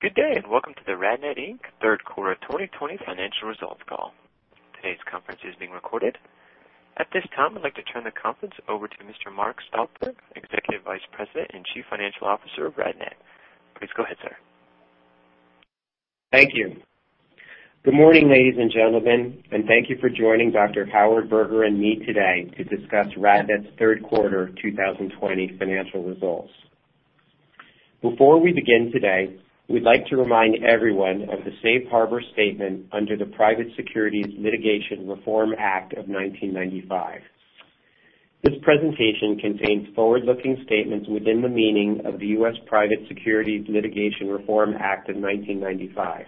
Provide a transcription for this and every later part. Good day, welcome to the RadNet, Inc. third quarter 2020 financial results call. Today's conference is being recorded. At this time, I'd like to turn the conference over to Mr. Mark Stolper, Executive Vice President and Chief Financial Officer of RadNet. Please go ahead, sir. Thank you. Good morning, ladies and gentlemen, and thank you for joining Dr. Howard Berger and me today to discuss RadNet's third quarter 2020 financial results. Before we begin today, we'd like to remind everyone of the safe harbor statement under the Private Securities Litigation Reform Act of 1995. This presentation contains forward-looking statements within the meaning of the U.S. Private Securities Litigation Reform Act of 1995.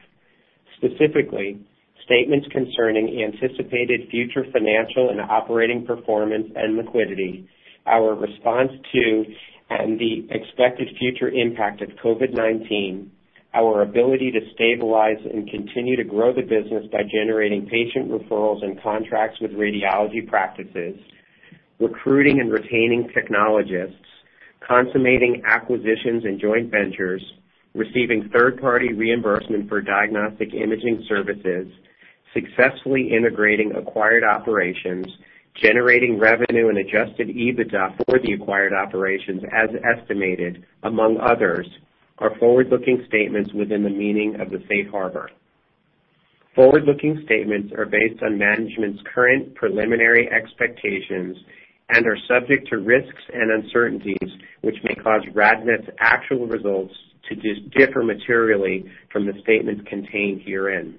Specifically, statements concerning anticipated future financial and operating performance and liquidity, our response to and the expected future impact of COVID-19, our ability to stabilize and continue to grow the business by generating patient referrals and contracts with radiology practices, recruiting and retaining technologists, consummating acquisitions and joint ventures, receiving third-party reimbursement for diagnostic imaging services, successfully integrating acquired operations, generating revenue and adjusted EBITDA for the acquired operations as estimated, among others, are forward-looking statements within the meaning of the safe harbor. Forward-looking statements are based on management's current preliminary expectations and are subject to risks and uncertainties, which may cause RadNet's actual results to differ materially from the statements contained herein.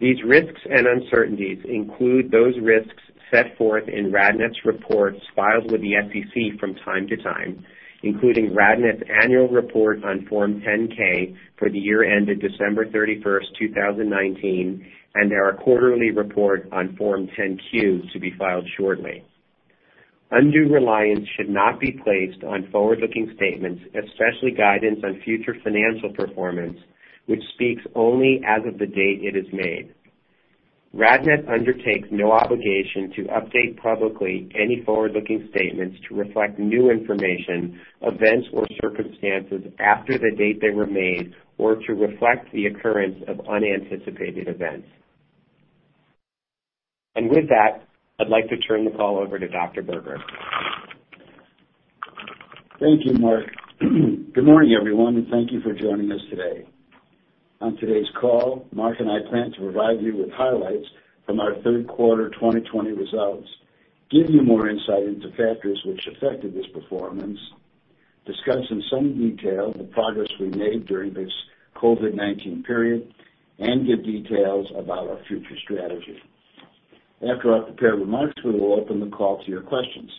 These risks and uncertainties include those risks set forth in RadNet's reports filed with the SEC from time to time, including RadNet's annual report on Form 10-K for the year ended December 31st, 2019, and our quarterly report on Form 10-Q, to be filed shortly. Undue reliance should not be placed on forward-looking statements, especially guidance on future financial performance, which speaks only as of the date it is made. RadNet undertakes no obligation to update publicly any forward-looking statements to reflect new information, events, or circumstances after the date they were made, or to reflect the occurrence of unanticipated events. With that, I'd like to turn the call over to Dr. Berger. Thank you, Mark. Good morning, everyone, and thank you for joining us today. On today's call, Mark and I plan to provide you with highlights from our third quarter 2020 results, give you more insight into factors which affected this performance, discuss in some detail the progress we made during this COVID-19 period, and give details about our future strategy. After our prepared remarks, we will open the call to your questions.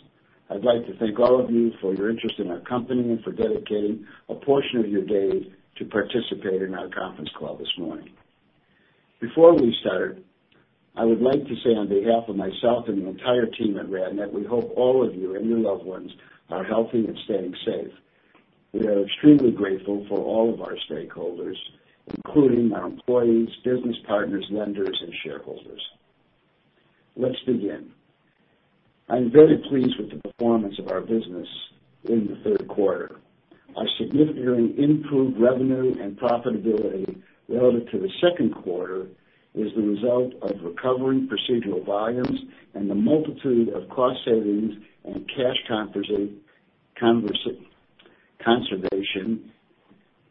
I'd like to thank all of you for your interest in our company and for dedicating a portion of your day to participate in our conference call this morning. Before we start, I would like to say on behalf of myself and the entire team at RadNet, we hope all of you and your loved ones are healthy and staying safe. We are extremely grateful for all of our stakeholders, including our employees, business partners, vendors, and shareholders. Let's begin. I'm very pleased with the performance of our business in the third quarter. Our significantly improved revenue and profitability relative to the second quarter is the result of recovering procedural volumes and the multitude of cost savings and cash conservation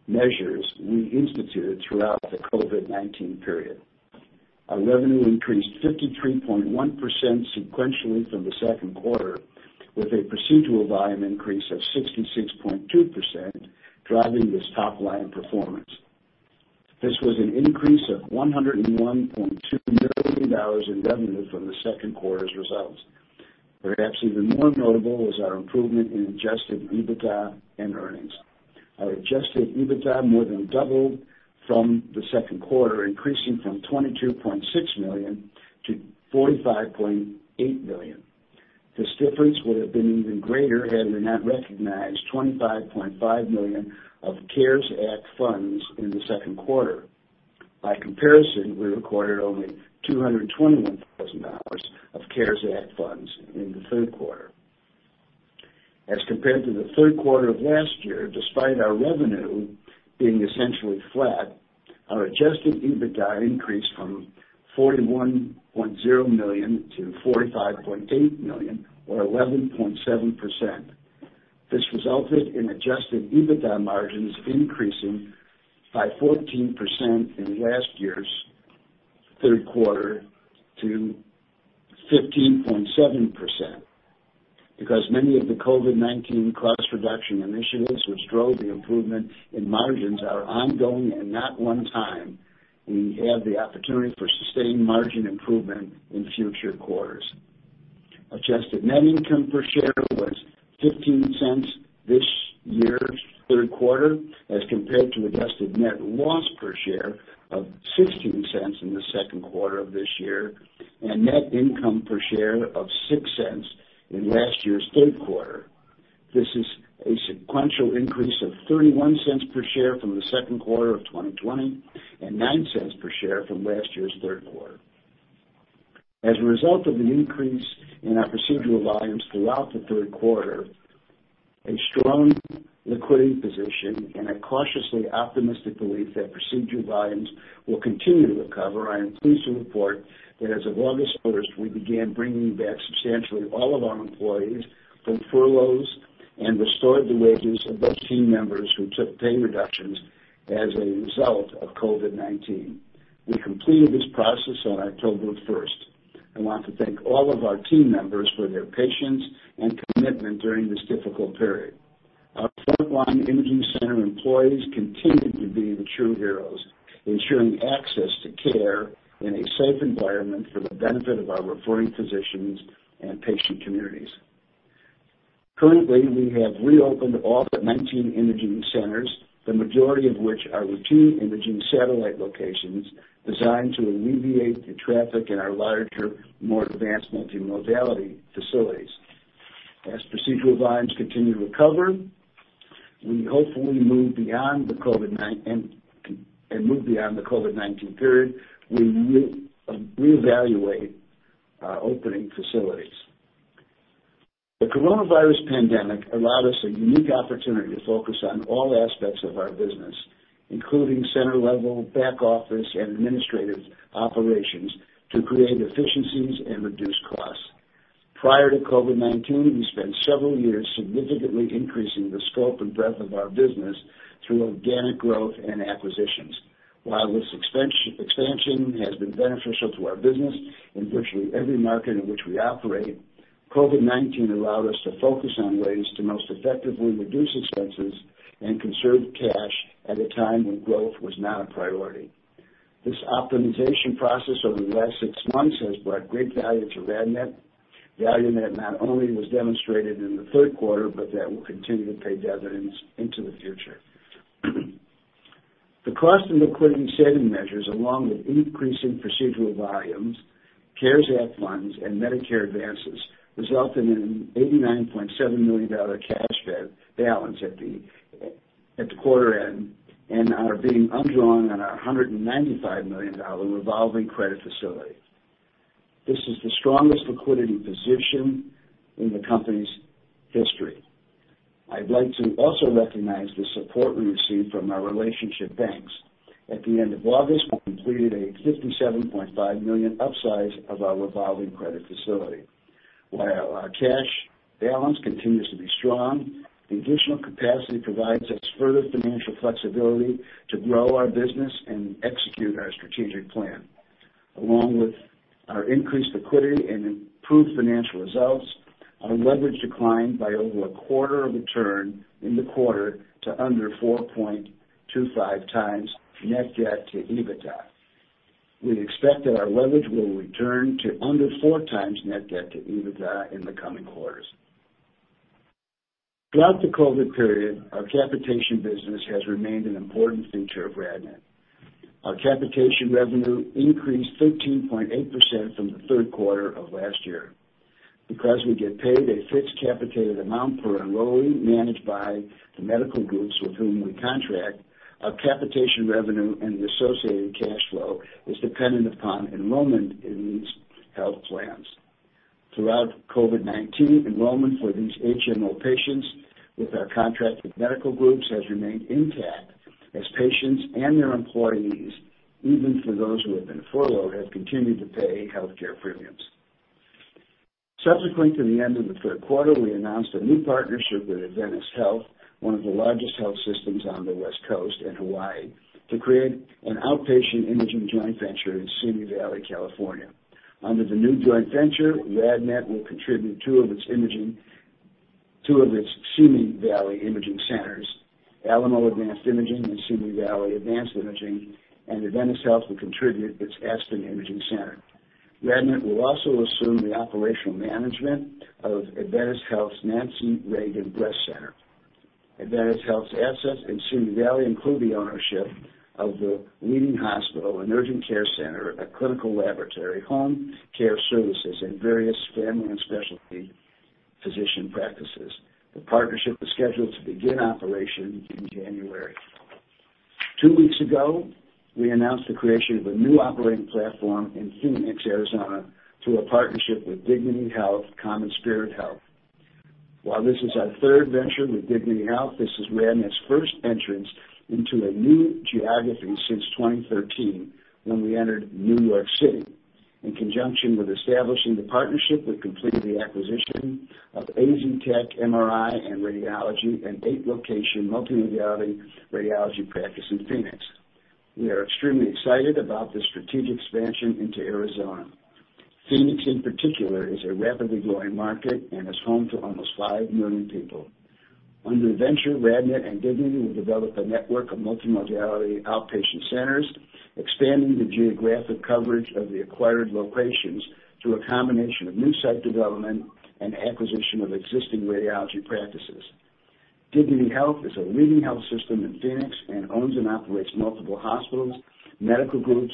measures we instituted throughout the COVID-19 period. Our revenue increased 53.1% sequentially from the second quarter, with a procedural volume increase of 66.2% driving this top-line performance. This was an increase of $101.2 million in revenue from the second quarter's results. Perhaps even more notable is our improvement in adjusted EBITDA and earnings. Our adjusted EBITDA more than doubled from the second quarter, increasing from $22.6 million to $45.8 million. This difference would have been even greater had we not recognized $25.5 million of CARES Act funds in the second quarter. By comparison, we recorded only $221,000 of CARES Act funds in the third quarter. As compared to the third quarter of last year, despite our revenue being essentially flat, our adjusted EBITDA increased from $41.0 million to $45.8 million, or 11.7%. This resulted in adjusted EBITDA margins increasing by 14% in last year's third quarter to 15.7%. Because many of the COVID-19 cost-reduction initiatives which drove the improvement in margins are ongoing and not one-time, we have the opportunity for sustained margin improvement in future quarters. Adjusted net income per share was $0.15 this year's third quarter, as compared to adjusted net loss per share of $0.16 in the second quarter of this year and net income per share of $0.06 in last year's third quarter. This is a sequential increase of $0.31 per share from the second quarter of 2020 and $0.09 per share from last year's third quarter. As a result of the increase in our procedural volumes throughout the third quarter, a strong liquidity position, and a cautiously optimistic belief that procedure volumes will continue to recover, I am pleased to report that as of August 1st, we began bringing back substantially all of our employees from furloughs and restored the wages of those team members who took pay reductions as a result of COVID-19. We completed this process on October 1st. I want to thank all of our team members for their patience and commitment during this difficult period. Our frontline imaging center employees continue to be the true heroes, ensuring access to care in a safe environment for the benefit of our referring physicians and patient communities. Currently, we have reopened all but 19 imaging centers, the majority of which are routine imaging satellite locations designed to alleviate the traffic in our larger, more advanced multimodality facilities. As procedural volumes continue to recover, we hope to move beyond the COVID-19 period. We reevaluate our opening facilities. The coronavirus pandemic allowed us a unique opportunity to focus on all aspects of our business, including center-level, back-office, and administrative operations to create efficiencies and reduce costs. Prior to COVID-19, we spent several years significantly increasing the scope and breadth of our business through organic growth and acquisitions. While this expansion has been beneficial to our business in virtually every market in which we operate, COVID-19 allowed us to focus on ways to most effectively reduce expenses and conserve cash at a time when growth was not a priority. This optimization process over the last six months has brought great value to RadNet, value that not only was demonstrated in the third quarter, but that will continue to pay dividends into the future. The cost and liquidity saving measures, along with increasing procedural volumes, CARES Act funds, and Medicare advances, resulted in an $89.7 million cash balance at the quarter end and our being undrawn on our $195 million revolving credit facility. This is the strongest liquidity position in the company's history. I'd like to also recognize the support we received from our relationship banks. At the end of August, we completed a $57.5 million upsize of our revolving credit facility. While our cash balance continues to be strong, the additional capacity provides us with further financial flexibility to grow our business and execute our strategic plan. Along with our increased liquidity and improved financial results, our leverage declined by over a quarter of a turn in the quarter to under 4.25x net debt to EBITDA. We expect that our leverage will return to under 4x net debt to EBITDA in the coming quarters. Throughout the COVID period, our capitation business has remained an important feature of RadNet. Our capitation revenue increased 13.8% from the third quarter of last year. Because we get paid a fixed capitated amount per enrollee managed by the medical groups with whom we contract, our capitation revenue and associated cash flow is dependent upon enrollment in these health plans. Throughout COVID-19, enrollment for these HMO patients with our contracted medical groups has remained intact, as patients and their employees, even for those who have been furloughed, have continued to pay healthcare premiums. Subsequently to the end of the third quarter, we announced a new partnership with Adventist Health, one of the largest health systems on the West Coast and in Hawaii, to create an outpatient imaging joint venture in Simi Valley, California. Under the new joint venture, RadNet will contribute two of its Simi Valley imaging centers, Alamo Advanced Imaging and Simi Valley Advanced Imaging, and Adventist Health will contribute its Aspen Imaging Center. RadNet will also assume the operational management of Adventist Health's Nancy Reagan Breast Center. Adventist Health's assets in Simi Valley include the ownership of the leading hospital and urgent care center, a clinical laboratory, home care services, and various family and specialty physician practices. The partnership is scheduled to begin operation in January. Two weeks ago, we announced the creation of a new operating platform in Phoenix, Arizona, through a partnership with Dignity Health – CommonSpirit Health. While this is our third venture with Dignity Health, this is RadNet's first entrance into a new geography since 2013, when we entered New York City. In conjunction with establishing the partnership, we completed the acquisition of AZ Tech MRI and Radiology, an eight-location multimodality radiology practice in Phoenix. We are extremely excited about this strategic expansion into Arizona. Phoenix, in particular, is a rapidly growing market and is home to almost 5 million people. Under the venture, RadNet and Dignity will develop a network of multimodality outpatient centers, expanding the geographic coverage of the acquired locations through a combination of new site development and acquisition of existing radiology practices. Dignity Health is a leading health system in Phoenix and owns and operates multiple hospitals, medical groups,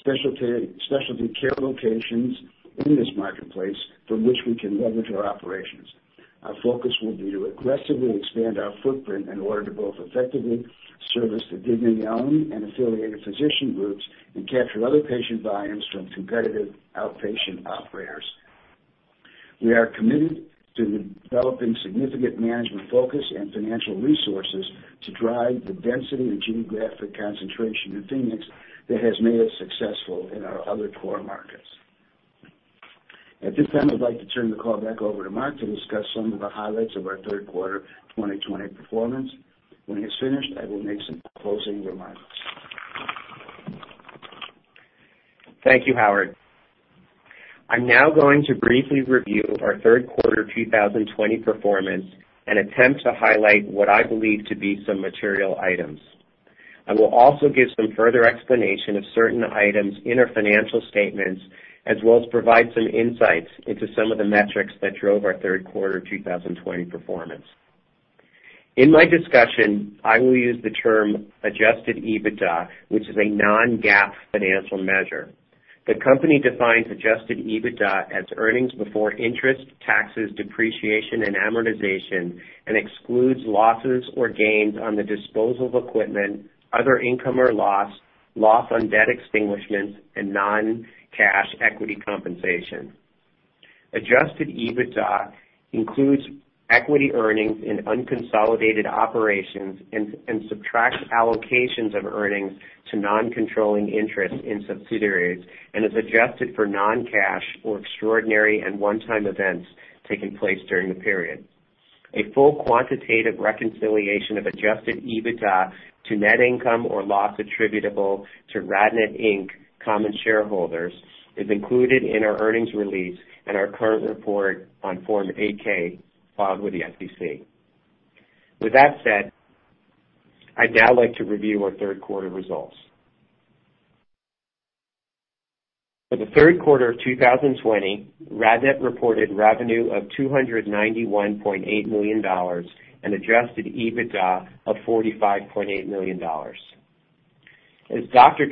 specialty care locations in this marketplace from which we can leverage our operations. Our focus will be to aggressively expand our footprint in order to both effectively service the Dignity-owned and affiliated physician groups and capture other patient volumes from competitive outpatient operators. We are committed to developing significant management focus and financial resources to drive the density and geographic concentration in Phoenix that has made us successful in our other core markets. At this time, I'd like to turn the call back over to Mark to discuss some of the highlights of our third quarter 2020 performance. When he's finished, I will make some closing remarks. Thank you, Howard. I'm now going to briefly review our third quarter 2020 performance and attempt to highlight what I believe to be some material items. I will also give some further explanation of certain items in our financial statements, as well as provide some insights into some of the metrics that drove our third quarter 2020 performance. In my discussion, I will use the term adjusted EBITDA, which is a non-GAAP financial measure. The company defines adjusted EBITDA as earnings before interest, taxes, depreciation, and amortization, and excludes losses or gains on the disposal of equipment, other income or loss on debt extinguishments, and non-cash equity compensation. Adjusted EBITDA includes equity earnings in unconsolidated operations and subtracts allocations of earnings to non-controlling interests in subsidiaries and is adjusted for non-cash or extraordinary and one-time events taking place during the period. A full quantitative reconciliation of adjusted EBITDA to net income or loss attributable to RadNet, Inc. common shareholders is included in our earnings release and our current report on Form 8-K filed with the SEC. With that said, I'd now like to review our third-quarter results. For the third quarter of 2020, RadNet reported revenue of $291.8 million and adjusted EBITDA of $45.8 million. As Dr.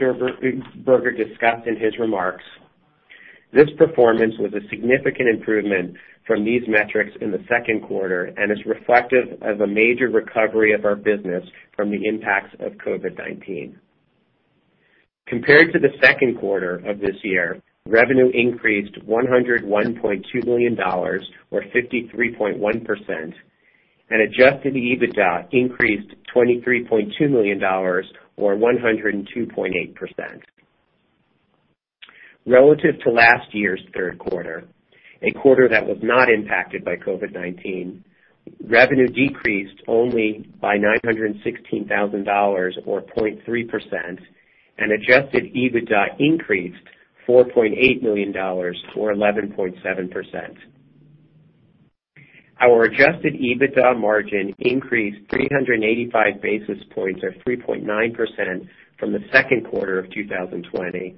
Berger discussed in his remarks, this performance was a significant improvement from these metrics in the second quarter and is reflective of a major recovery of our business from the impacts of COVID-19. Compared to the second quarter of this year, revenue increased $101.2 million, or 53.1%, and adjusted EBITDA increased $23.2 million, or 102.8%. Relative to last year's third quarter, a quarter that was not impacted by COVID-19, revenue decreased only by $916,000, or 0.3%, and adjusted EBITDA increased $4.8 million, or 11.7%. Our adjusted EBITDA margin increased 385 basis points or 3.9% from the second quarter of 2020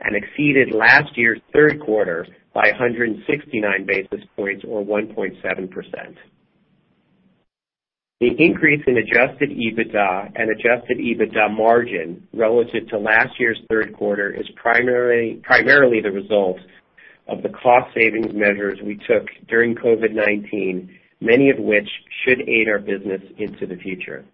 and exceeded last year's third quarter by 169 basis points or 1.7%. The increase in adjusted EBITDA and adjusted EBITDA margin relative to last year's third quarter is primarily the result of the cost savings measures we took during COVID-19, many of which should aid our business into the future.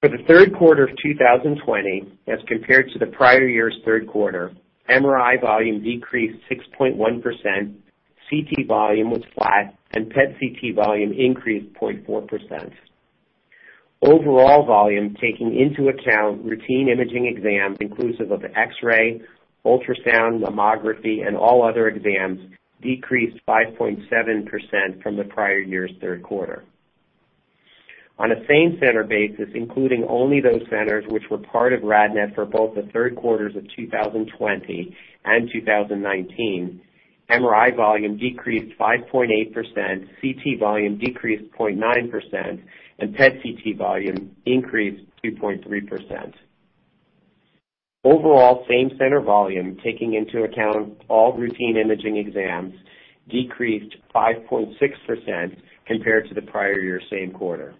For the third quarter of 2020, as compared to the prior year's third quarter, MRI volume decreased 6.1%, CT volume was flat, and PET CT volume increased 0.4%. Overall volume, taking into account routine imaging exams inclusive of X-ray, ultrasound, mammography, and all other exams, decreased 5.7% from the prior year's third quarter. On a same-center basis, including only those centers which were part of RadNet for both the third quarters of 2020 and 2019, MRI volume decreased 5.8%, CT volume decreased 0.9%, and PET CT volume increased 2.3%. Overall same-center volume, taking into account all routine imaging exams, decreased 5.6% compared to the prior year's same quarter.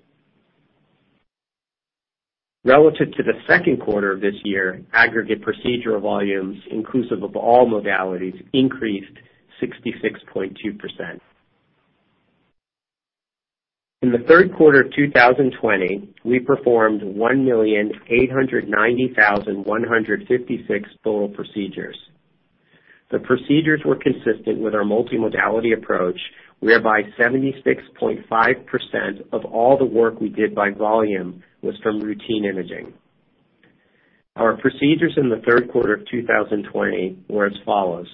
Relative to the second quarter of this year, aggregate procedural volumes, inclusive of all modalities, increased 66.2%. In the third quarter of 2020, we performed 1,890,156 total procedures. The procedures were consistent with our multimodality approach, whereby 76.5% of all the work we did by volume was from routine imaging. Our procedures in the third quarter of 2020 were as follows.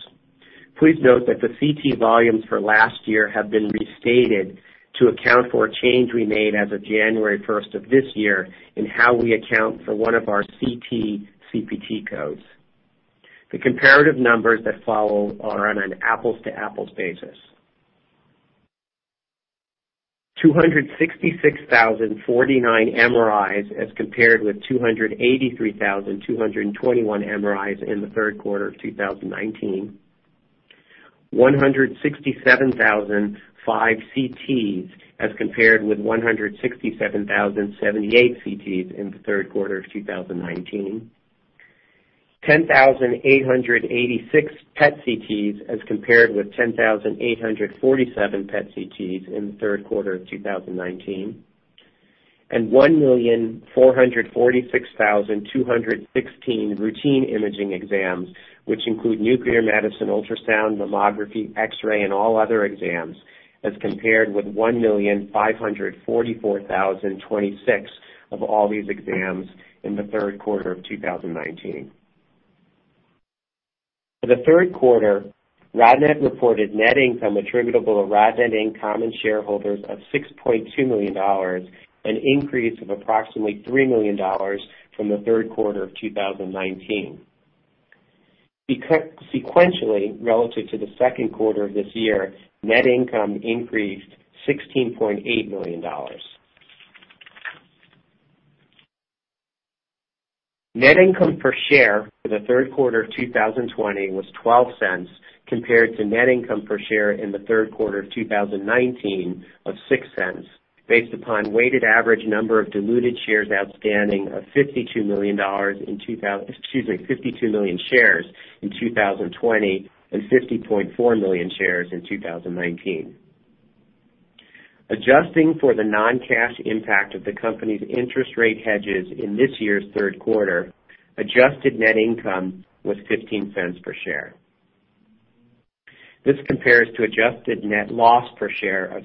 Please note that the CT volumes for last year have been restated to account for a change we made as of January 1st of this year in how we account for one of our CT CPT codes. The comparative numbers that follow are on an apples-to-apples basis. 266,049 MRIs as compared with 283,221 MRIs in the third quarter of 2019. 167,005 CTs as compared with 167,078 CTs in the third quarter of 2019. 10,886 PET/CTs as compared with 10,847 PET/CTs in the third quarter of 2019, and 1,446,216 routine imaging exams, which include nuclear medicine, ultrasound, mammography, X-ray, and all other exams, as compared with 1,544,026 of all these exams in the third quarter of 2019. For the third quarter, RadNet reported net income attributable to RadNet, Inc. common shareholders of $6.2 million, an increase of approximately $3 million from the third quarter of 2019. Sequentially, relative to the second quarter of this year, net income increased $16.8 million. Net income per share for the third quarter of 2020 was $0.12, compared to net income per share in the third quarter of 2019 of $0.06, based upon the weighted average number of diluted shares outstanding of 52 million shares in 2020 and 50.4 million shares in 2019. Adjusting for the non-cash impact of the company's interest rate hedges in this year's third quarter, adjusted net income was $0.15 per share. This compares to the adjusted net loss per share of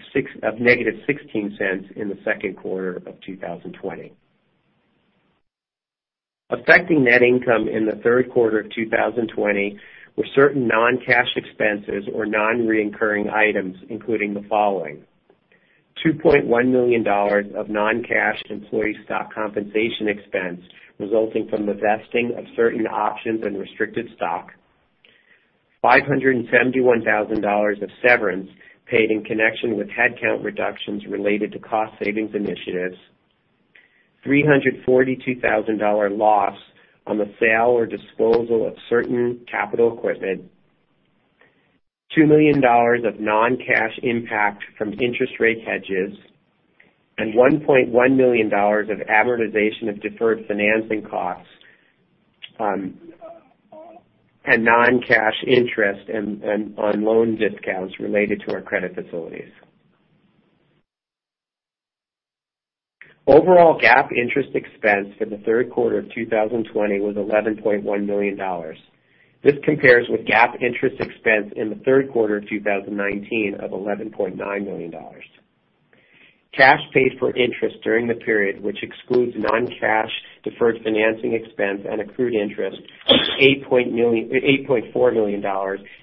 negative $0.16 in the second quarter of 2020. Affecting net income in the third quarter of 2020 were certain non-cash expenses or non-recurring items, including the following: $2.1 million of non-cash employee stock compensation expense resulting from the vesting of certain options and restricted stock, $571,000 of severance paid in connection with headcount reductions related to cost savings initiatives, $342,000 loss on the sale or disposal of certain capital equipment, $2 million of non-cash impact from interest rate hedges, and $1.1 million of amortization of deferred financing costs and non-cash interest on loan discounts related to our credit facilities. Overall, GAAP interest expense for the third quarter of 2020 was $11.1 million. This compares with GAAP interest expense in the third quarter of 2019 of $11.9 million. Cash paid for interest during the period, which excludes non-cash deferred financing expense and accrued interest of $8.4 million,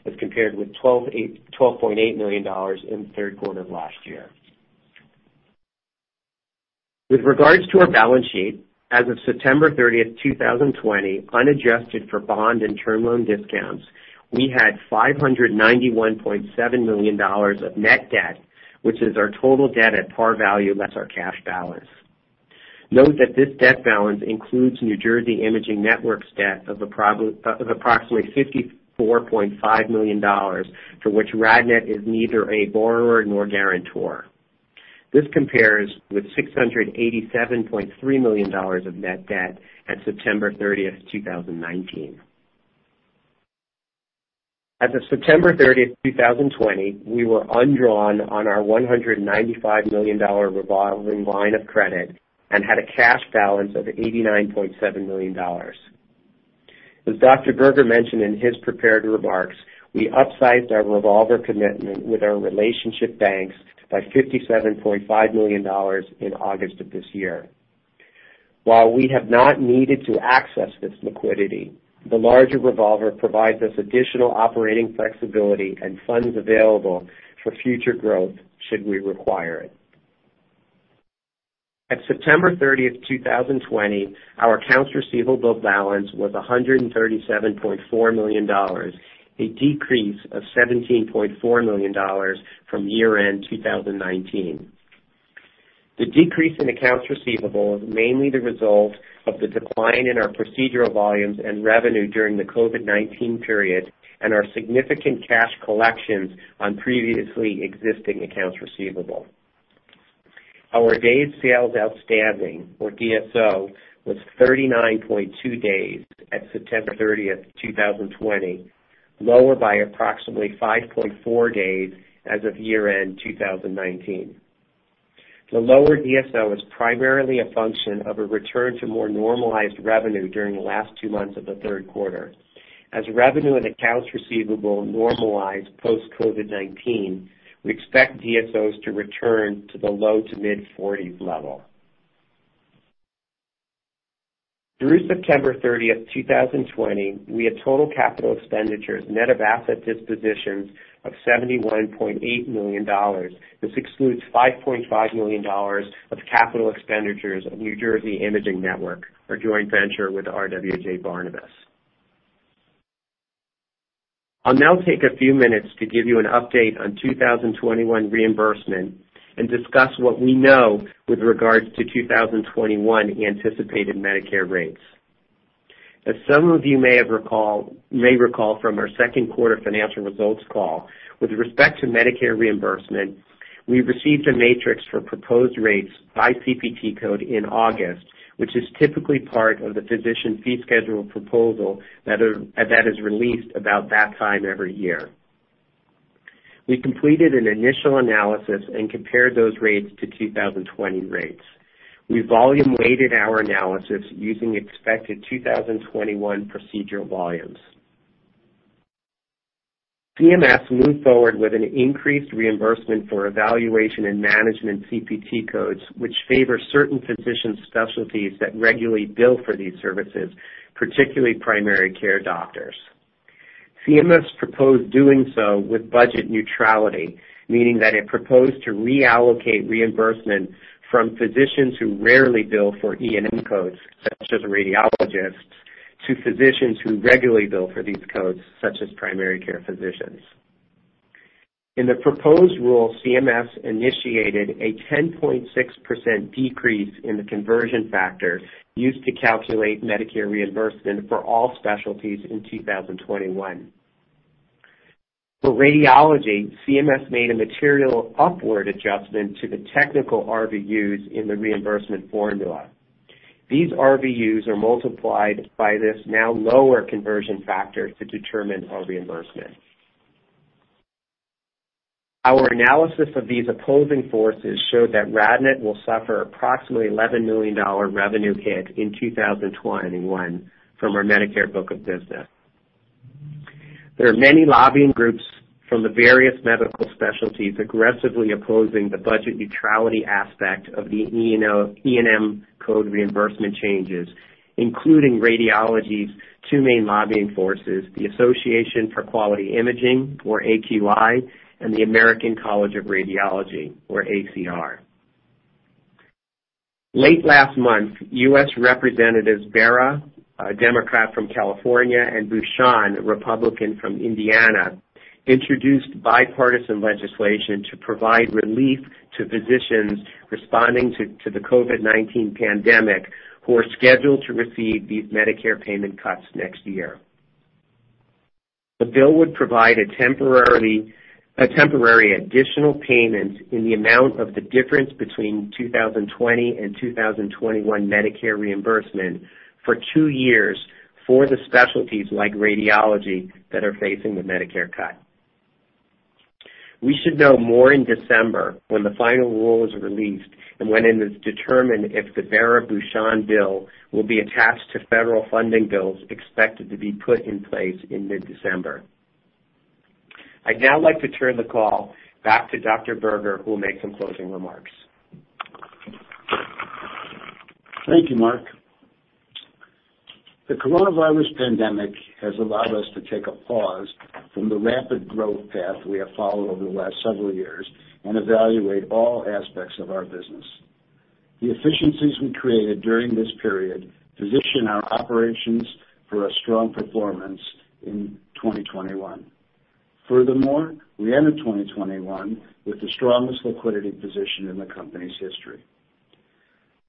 as compared with $12.8 million in the third quarter of last year. With regards to our balance sheet, as of September 30th, 2020, unadjusted for bond and term loan discounts, we had $591.7 million of net debt, which is our total debt at par value less our cash balance. Note that this debt balance includes New Jersey Imaging Network's debt of approximately $54.5 million, for which RadNet is neither a borrower nor guarantor. This compares with $687.3 million of net debt at September 30th, 2019. As of September 30th, 2020, we were undrawn on our $195 million revolving line of credit and had a cash balance of $89.7 million. As Dr. Berger mentioned in his prepared remarks, we upsized our revolver commitment with our relationship banks by $57.5 million in August of this year. While we have not needed to access this liquidity, the larger revolver provides us additional operating flexibility and funds available for future growth should we require it. At September 30th, 2020, our accounts receivable balance was $137.4 million, a decrease of $17.4 million from year-end 2019. The decrease in accounts receivable is mainly the result of the decline in our procedural volumes and revenue during the COVID-19 period, and our significant cash collections on previously existing accounts receivable. Our days sales outstanding, or DSO, was 39.2 days at September 30th, 2020, lower by approximately five point four days as of year-end 2019. The lower DSO is primarily a function of a return to more normalized revenue during the last two months of the third quarter. As revenue and accounts receivable normalize post-COVID-19, we expect DSOs to return to the low to mid-40s level. Through September 30th, 2020, we had total capital expenditures, net of asset dispositions, of $71.8 million. This excludes $5.5 million of capital expenditures of New Jersey Imaging Network, our joint venture with RWJBarnabas. I'll now take a few minutes to give you an update on 2021 reimbursement and discuss what we know with regard to 2021 anticipated Medicare rates. As some of you may recall from our second quarter financial results call, with respect to Medicare reimbursement. We received a matrix for proposed rates by CPT code in August, which is typically part of the Physician Fee Schedule proposal that is released about that time every year. We completed an initial analysis and compared those rates to the 2020 rates. We volume-weighted our analysis using the expected 2021 procedure volumes. CMS moved forward with an increased reimbursement for evaluation and management CPT codes, which favor certain physician specialties that regularly bill for these services, particularly primary care doctors. CMS proposed doing so with budget neutrality, meaning that it proposed to reallocate reimbursement from physicians who rarely bill for E/M codes, such as radiologists, to physicians who regularly bill for these codes, such as primary care physicians. In the proposed rule, CMS initiated a 10.6% decrease in the conversion factor used to calculate Medicare reimbursement for all specialties in 2021. For radiology, CMS made a material upward adjustment to the technical RVUs in the reimbursement formula. These RVUs are multiplied by this now lower conversion factor to determine our reimbursement. Our analysis of these opposing forces showed that RadNet will suffer approximately $11 million in revenue hit in 2021 from our Medicare book of business. There are many lobbying groups from the various medical specialties aggressively opposing the budget neutrality aspect of the E/M code reimbursement changes, including radiology's two main lobbying forces, the Association for Quality Imaging, or AQI, and the American College of Radiology, or ACR. Late last month, U.S. Representatives Bera, a Democrat from California, and Bucshon, a Republican from Indiana, introduced bipartisan legislation to provide relief to physicians responding to the COVID-19 pandemic who are scheduled to receive these Medicare payment cuts next year. The bill would provide a temporary additional payment in the amount of the difference between 2020 and 2021 Medicare reimbursement for two years for specialties like radiology that are facing the Medicare cut. We should know more in December when the final rule is released and when it is determined if the Bera-Bucshon bill will be attached to federal funding bills expected to be put in place in mid-December. I'd now like to turn the call back to Dr. Berger, who will make some closing remarks. Thank you, Mark. The coronavirus pandemic has allowed us to take a pause from the rapid growth path we have followed over the last several years and evaluate all aspects of our business. The efficiencies we created during this period position our operations for a strong performance in 2021. Furthermore, we enter 2021 with the strongest liquidity position in the company's history.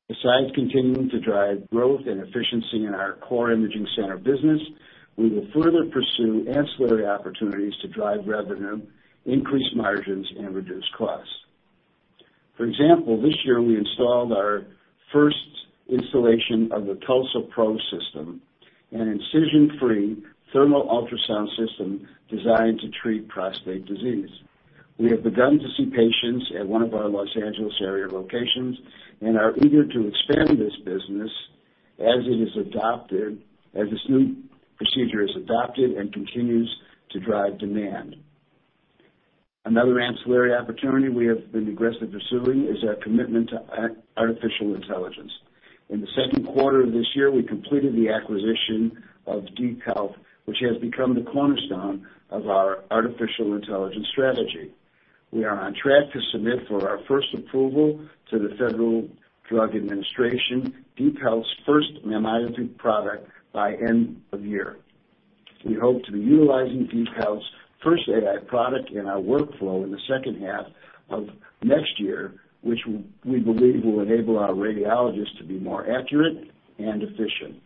Besides continuing to drive growth and efficiency in our core imaging center business, we will further pursue ancillary opportunities to drive revenue, increase margins, and reduce costs. For example, this year we installed our first installation of the TULSA-PRO system, an incision-free thermal ultrasound system designed to treat prostate disease. We have begun to see patients at one of our Los Angeles area locations and are eager to expand this business as this new procedure is adopted and continues to drive demand. Another ancillary opportunity we have been aggressively pursuing is our commitment to artificial intelligence. In the second quarter of this year, we completed the acquisition of DeepHealth, which has become the cornerstone of our artificial intelligence strategy. We are on track to submit for our first approval to the Food and Drug Administration, DeepHealth's first mammography product, by the end of the year. We hope to be utilizing DeepHealth's first AI product in our workflow in the second half of next year, which we believe will enable our radiologists to be more accurate and efficient.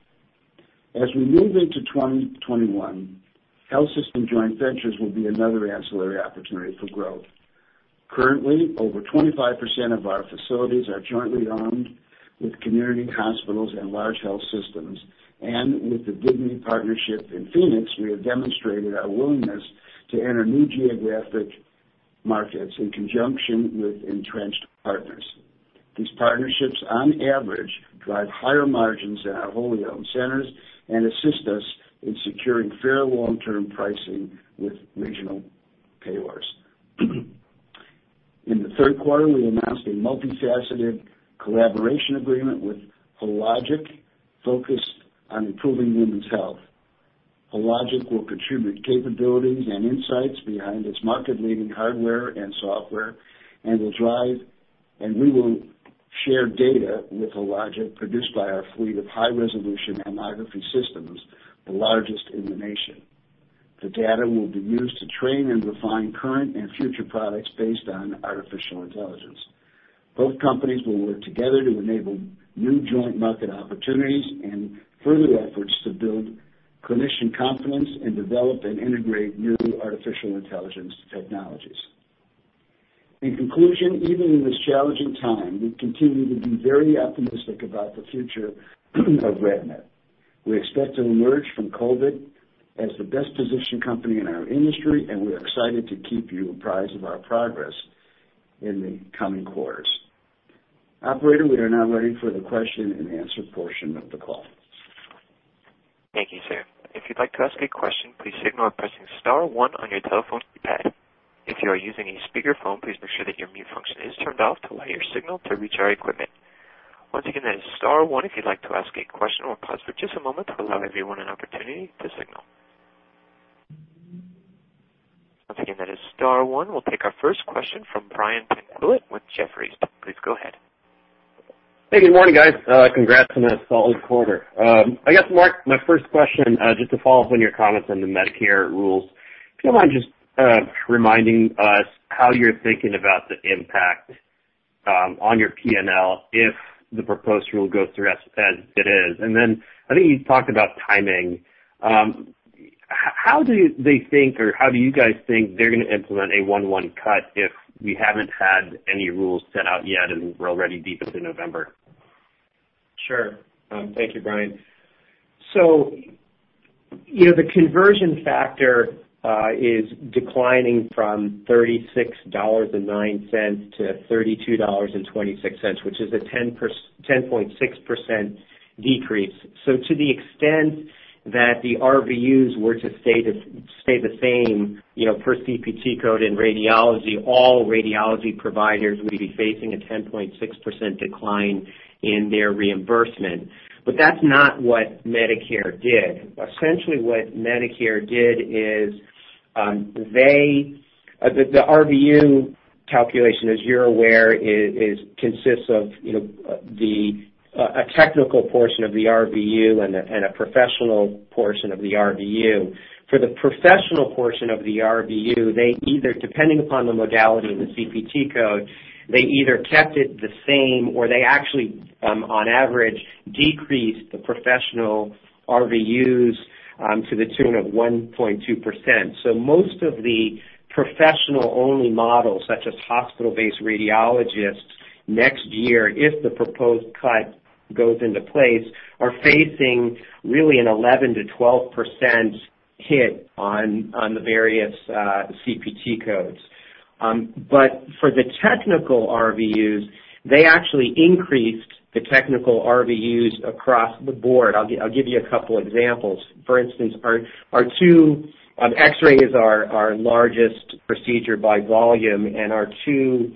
As we move into 2021, health system joint ventures will be another ancillary opportunity for growth. Currently, over 25% of our facilities are jointly owned with community hospitals and large health systems. With the Dignity partnership in Phoenix, we have demonstrated our willingness to enter new geographic markets in conjunction with entrenched partners. These partnerships, on average, drive higher margins than our wholly owned centers and assist us in securing fair long-term pricing with regional payers. In the third quarter, we announced a multifaceted collaboration agreement with Hologic focused on improving women's health. Hologic will contribute capabilities and insights behind its market-leading hardware and software, and we will share data with Hologic produced by our fleet of high-resolution mammography systems, the largest in the nation. The data will be used to train and refine current and future products based on artificial intelligence. Both companies will work together to enable new joint market opportunities and further efforts to build clinician confidence and develop and integrate new artificial intelligence technologies. In conclusion, even in this challenging time, we continue to be very optimistic about the future of RadNet. We expect to emerge from COVID as the best-positioned company in our industry, and we're excited to keep you apprised of our progress in the coming quarters. Operator, we are now ready for the question-and-answer portion of the call. Thank you, sir. If you'd like to ask a question, please signal by pressing star one on your telephone keypad. If you are using a speakerphone, please make sure that your mute function is turned off to allow your signal to reach our equipment. Once again, that is star one if you'd like to ask a question. We'll pause for just a moment to allow everyone an opportunity to signal. Once again, that is star one. We'll take our first question from Brian Tanquilut with Jefferies. Please go ahead. Hey, good morning, guys. Congrats on a solid quarter. I guess, Mark, my first question, just to follow up on your comments on the Medicare rules, do you mind just reminding us how you're thinking about the impact on your P&L if the proposed rule goes through as it is? I think you talked about timing. How do they think, or how do you guys think, they're going to implement a 1/1 cut if we haven't had any rules set out yet and we're already deep into November? Sure. Thank you, Brian. The conversion factor is declining from $36.09 to $32.26, which is a 10.6% decrease. To the extent that the RVUs were to stay the same, per CPT code in radiology, all radiology providers would be facing a 10.6% decline in their reimbursement. That's not what Medicare did. Essentially, what Medicare did is, the RVU calculation, as you're aware, consists of a technical portion of the RVU and a professional portion of the RVU. For the professional portion of the RVU, depending upon the modality and the CPT code, they either kept it the same or they actually, on average, decreased the professional RVUs to the tune of 1.2%. Most of the professional-only models, such as hospital-based radiologists, next year, if the proposed cut goes into place, are facing a really an 11%-12% hit on the various CPT codes. For the technical RVUs, they actually increased the technical RVUs across the board. I'll give you a couple of examples. For instance, X-rays are our largest procedure by volume, and our two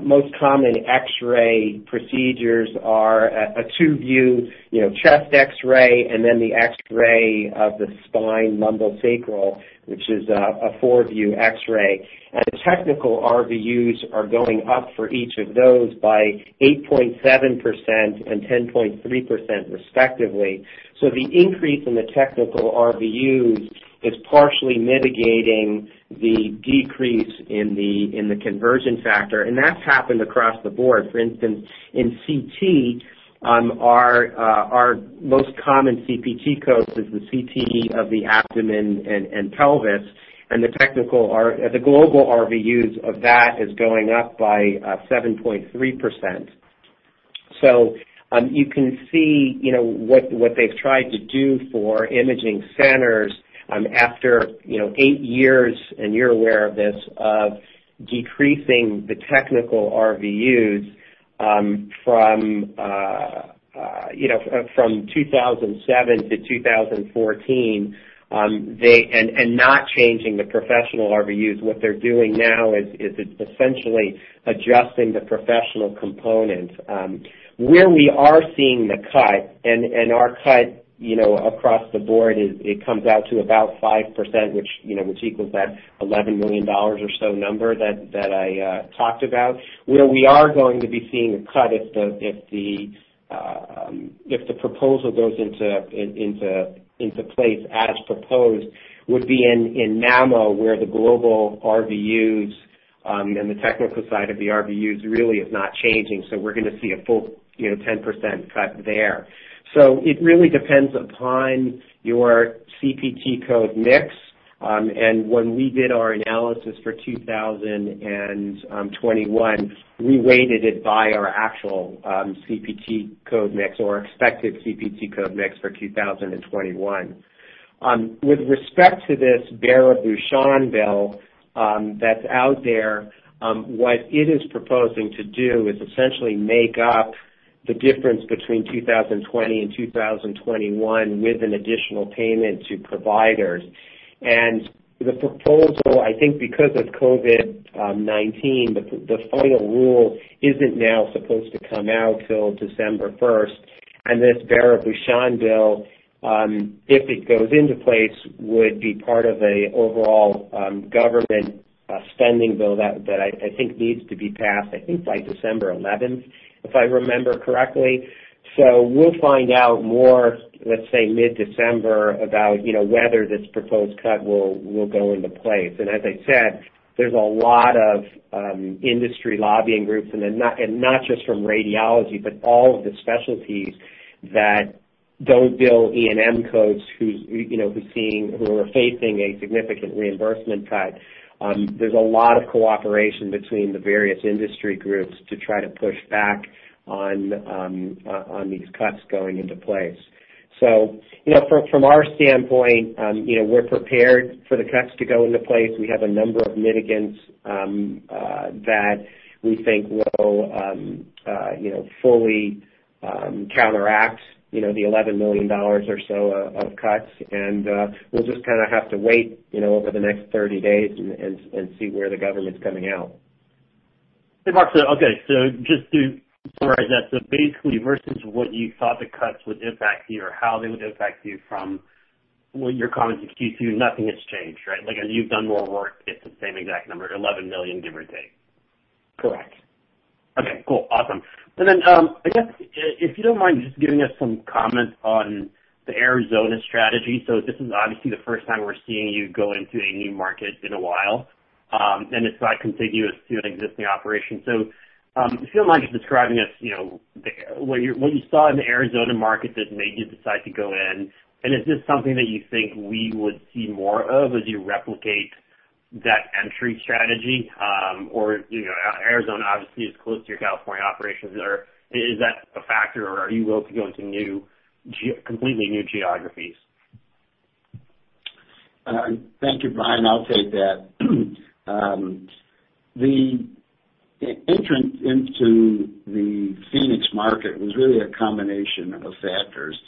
most common X-ray procedures are a two-view chest X-ray and then the X-ray of the spine lumbosacral, which is a four-view X-ray. The technical RVUs are going up for each of those by 8.7% and 10.3%, respectively. The increase in the technical RVUs is partially mitigating the decrease in the conversion factor, and that's happened across the board. For instance, in CT, our most common CPT code is the CT of the abdomen and pelvis, and the global RVUs of that is going up by 7.3%. You can see what they've tried to do for imaging centers after eight years, and you're aware of this, of decreasing the technical RVUs from 2007 to 2014, and not changing the professional RVUs. What they're doing now is essentially adjusting the professional component. Where we are seeing the cut, and our cut across the board, it comes out to about 5%, which equals that $11 million or so number that I talked about. Where we are going to be seeing a cut if the proposal goes into place as proposed, would be in mammo, where the global RVUs and the technical side of the RVUs really is not changing. We're going to see a full 10% cut there. It really depends upon your CPT code mix. When we did our analysis for 2021, we weighted it by our actual CPT code mix or expected CPT code mix for 2021. With respect to this Bera-Bucshon bill that's out there, what it is proposing to do is essentially make up the difference between 2020 and 2021 with an additional payment to providers. The proposal, I think, because of COVID-19, the final rule isn't now supposed to come out till December 1st. This Bera-Bucshon bill, if it goes into place, would be part of an overall government spending bill that I think needs to be passed, I think by December 11th, if I remember correctly. We'll find out more, let's say mid-December, about whether this proposed cut will go into place. As I said, there's a lot of industry lobbying groups and not just from radiology, but all of the specialties that don't bill E/M codes, who are facing a significant reimbursement cut. There's a lot of cooperation between the various industry groups to try to push back on these cuts going into place. From our standpoint, we're prepared for the cuts to go into place. We have a number of mitigants that we think will fully counteract the $11 million or so of cuts. We'll just kind of have to wait over the next 30 days and see where the government's coming out. Hey, Mark. Okay. Just to summarize that, basically, versus what you thought the cuts would impact you or how they would impact you from your comments in Q2, nothing has changed, right? Like I said, you've done more work; it's the same exact number, $11 million give or take. Correct. Okay, cool. Awesome. I guess, if you don't mind, just giving us some comments on the Arizona strategy. This is obviously the first time we're seeing you go into a new market in a while, and it's not contiguous to an existing operation. If you don't mind describing to us what you saw in the Arizona market that made you decide to go in, and is this something that you think we would see more of as you replicate that entry strategy? Arizona obviously is close to your California operations. Is that a factor, or are you willing to go into completely new geographies? Thank you, Brian. I'll take that. The entrance into the Phoenix market was really a combination of factors.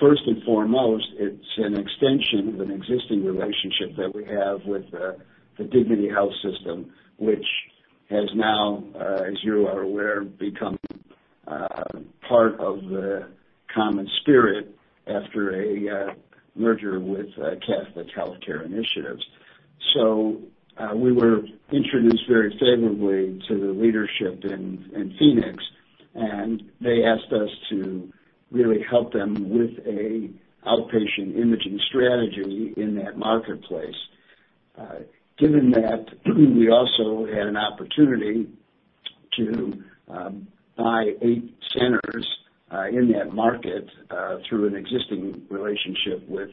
First and foremost, it's an extension of an existing relationship that we have with the Dignity Health system, which has now, as you are aware, become part of CommonSpirit after a merger with Catholic Health Initiatives. We were introduced very favorably to the leadership in Phoenix, and they asked us to really help them with an outpatient imaging strategy in that marketplace. Given that, we also had an opportunity to buy eight centers in that market through an existing relationship with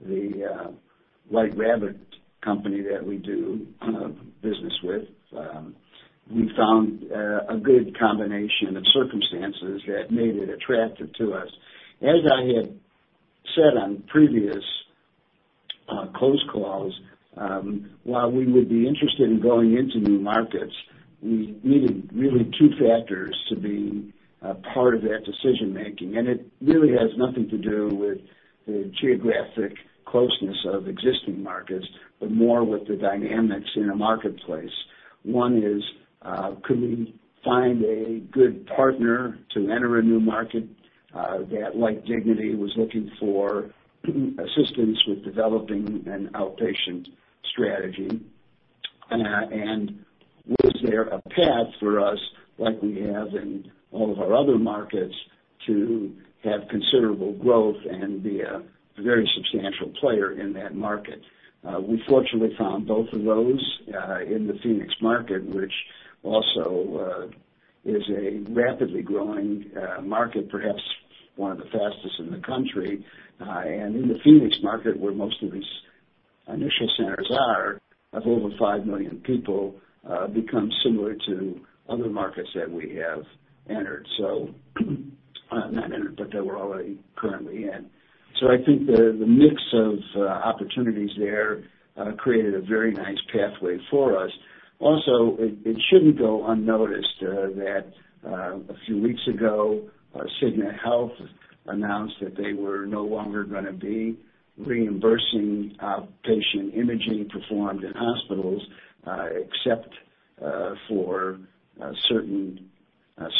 the Whiterabbit company that we do business with. We found a good combination of circumstances that made it attractive to us. As I had said on previous close calls, while we would be interested in going into new markets, we needed really two factors to be part of that decision-making. It really has nothing to do with the geographic closeness of existing markets, but more with the dynamics in a marketplace. One is, could we find a good partner to enter a new market that, like Dignity, was looking for assistance with developing an outpatient strategy? Was there a path for us, like we have in all of our other markets, to have considerable growth and be a very substantial player in that market? We fortunately found both of those in the Phoenix market, which is also a rapidly growing market, perhaps one of the fastest in the country. In the Phoenix market, where most of these initial centers are, of over 5 million people becomes similar to other markets that we have entered. Not entered, but that we're already currently in. I think the mix of opportunities there created a very nice pathway for us. Also, it shouldn't go unnoticed that a few weeks ago, Cigna Healthcare announced that they were no longer going to be reimbursing outpatient imaging performed in hospitals except for certain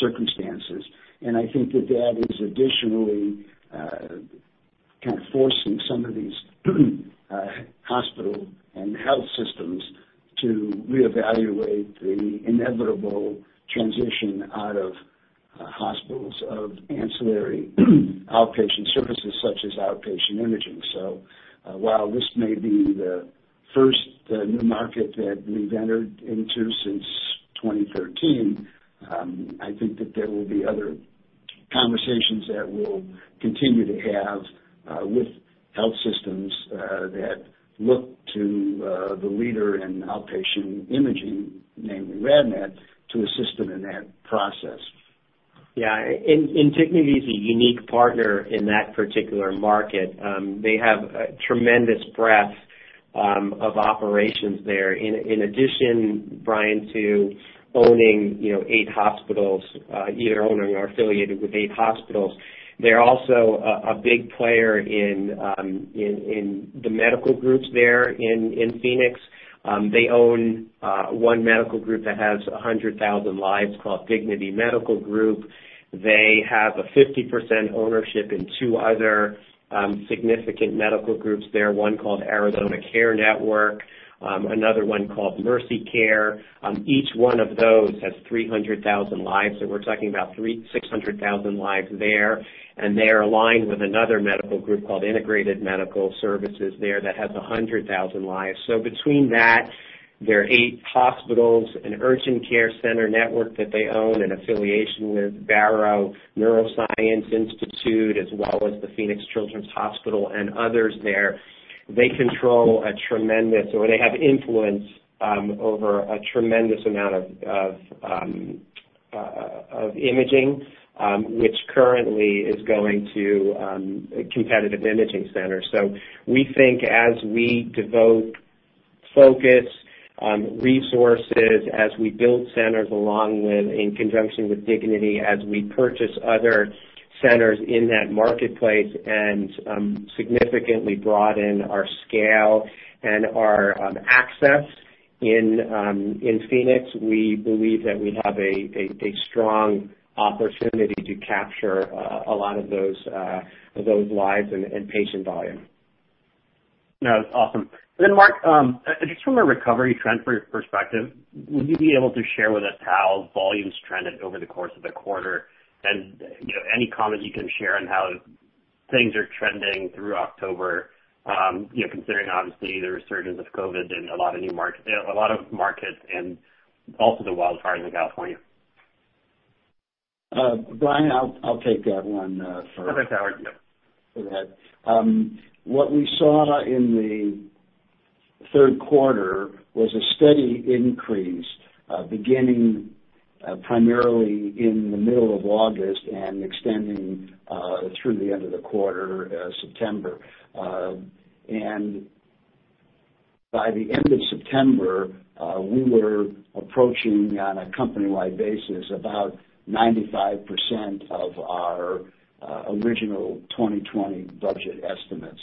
circumstances. I think that that is additionally kind of forcing some of these hospitals and health systems to reevaluate the inevitable transition out of hospitals of ancillary outpatient services, such as outpatient imaging. While this may be the first new market that we've entered into since 2013, I think that there will be other conversations that we'll continue to have with health systems that look to the leader in outpatient imaging, namely RadNet, to assist them in that process. Yeah. Dignity is a unique partner in that particular market. They have a tremendous breadth of operations there. In addition, Brian to owning eight hospitals, either owning or affiliated with eight hospitals, they're also a big player in the medical groups there in Phoenix. They own one medical group that has 100,000 lives called Dignity Medical Group. They have a 50% ownership in two other significant medical groups there, one called Arizona Care Network, another one called Mercy Care. Each one of those has 300,000 lives. We're talking about 600,000 lives there, and they are aligned with another medical group called Integrated Medical Services there that has 100,000 lives. Between that, their eight hospitals, an urgent care center network that they own, an affiliation with Barrow Neurological Institute, as well as the Phoenix Children's Hospital, and others there. They control a tremendous amount of imaging, which is currently going to competitive imaging centers. We think as we devote focus, resources, as we build centers along with, in conjunction with Dignity, as we purchase other centers in that marketplace and significantly broaden our scale and our access in Phoenix, we believe that we have a strong opportunity to capture a lot of those lives and patient volume. No, awesome. Then Mark, just from a recovery trend perspective, would you be able to share with us how volume trended over the course of the quarter? Any comments you can share on how things are trending through October, considering obviously the resurgence of COVID in a lot of markets and also the wildfires in California. Brian, I'll take that one. Okay, Howard. Yep. for that. What we saw in the third quarter was a steady increase, beginning primarily in the middle of August and extending through the end of the quarter, September. By the end of September, we were approaching, on a company-wide basis, about 95% of our original 2020 budget estimates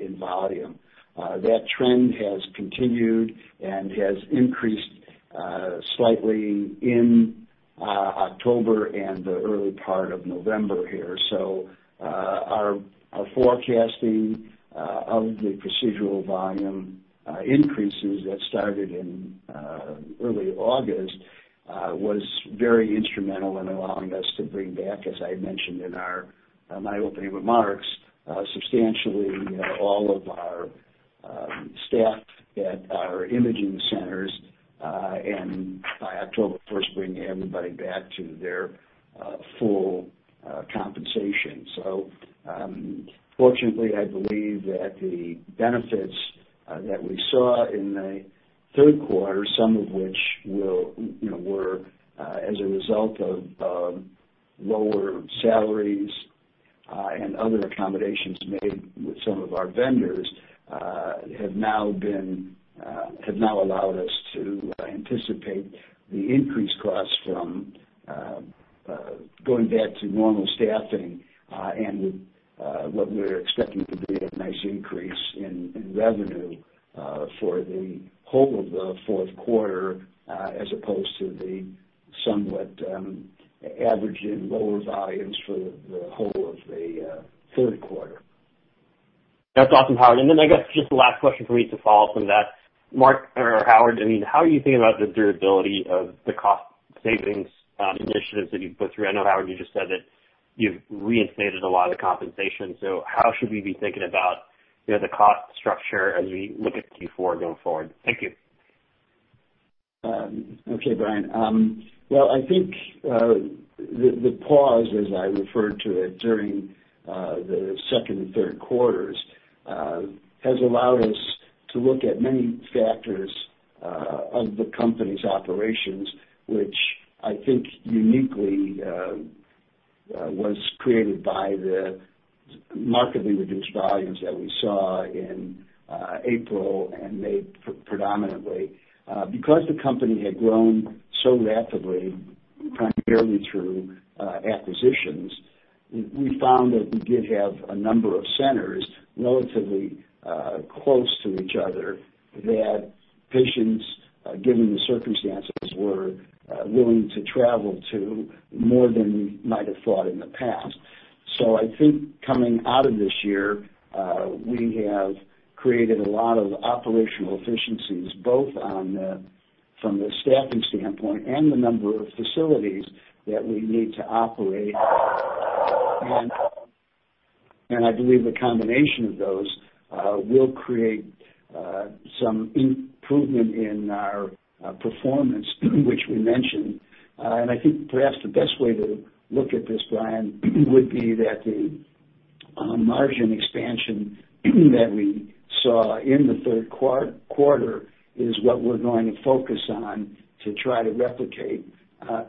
in volume. That trend has continued and has increased slightly in October and the early part of November here. Our forecasting of the procedural volume increases that started in early August was very instrumental in allowing us to bring back, as I mentioned in my opening remarks, substantially all of our staff at our imaging centers, and by October 1st, bringing everybody back to their full compensation. Fortunately, I believe that the benefits that we saw in the third quarter, some of which were as a result of lower salaries and other accommodations made with some of our vendors, have now allowed us to anticipate the increased costs from going back to normal staffing and what we're expecting to be a nice increase in revenue for the whole of the fourth quarter as opposed to the somewhat average and lower volumes for the whole of the third quarter. That's awesome, Howard. Then I guess just the last question for me to follow up on that, Mark or Howard, how are you thinking about the durability of the cost savings initiatives that you've put through? I know, Howard, you just said that you've reinstated a lot of the compensation. How should we be thinking about the cost structure as we look at Q4 going forward? Thank you. Okay, Brian. Well, I think the pause, as I referred to it during the second and third quarters, has allowed us to look at many factors of the company's operations, which I think uniquely was created by the markedly reduced volumes that we saw in April and May predominantly. Because the company had grown so rapidly, primarily through acquisitions, we found that we did have a number of centers relatively close to each other that patients, given the circumstances, were willing to travel to more than we might have thought in the past. I think coming out of this year, we have created a lot of operational efficiencies, both from the staffing standpoint and the number of facilities that we need to operate. I believe a combination of those will create some improvement in our performance, which we mentioned. I think perhaps the best way to look at this, Brian, would be that the margin expansion that we saw in the third quarter is what we're going to focus on to try to replicate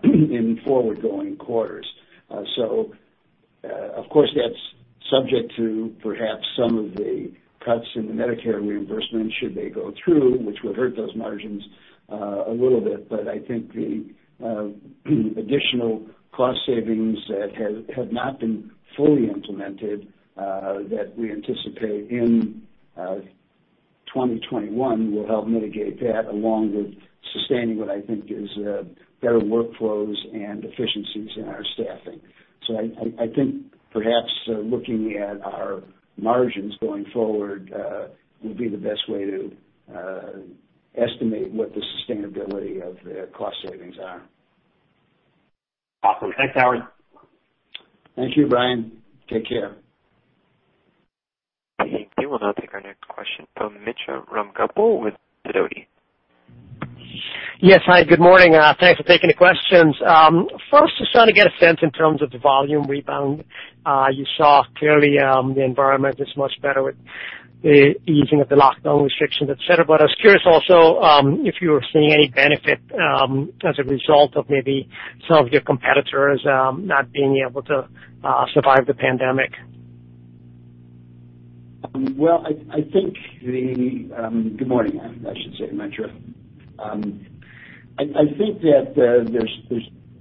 in forward-going quarters. Of course, that's subject to perhaps some of the cuts in the Medicare reimbursement, should they go through, which would hurt those margins a little bit. I think the additional cost savings that have not been fully implemented, that we anticipate in 2021, will help mitigate that, along with sustaining what I think is better workflows and efficiencies in our staffing. I think perhaps looking at our margins going forward will be the best way to estimate what the sustainability of the cost savings are. Awesome. Thanks, Howard. Thank you, Brian. Take care. We will now take our next question from Mitra Ramgopal with Sidoti. Yes. Hi, good morning. Thanks for taking the questions. First, just trying to get a sense in terms of the volume rebound. You saw clearly that the environment is much better with the easing of the lockdown restrictions, et cetera. I was curious also, if you were seeing any benefit, as a result of maybe some of your competitors not being able to survive the pandemic. Well, good morning, I should say, Mitra. I think that there are